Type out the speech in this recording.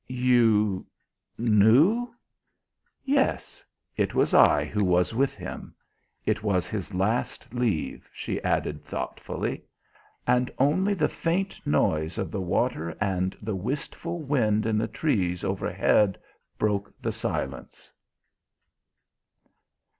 "You knew?" "Yes. It was I who was with him. It was his last leave," she added thoughtfully. And only the faint noise of the water and the wistful wind in the trees overhead broke the silence.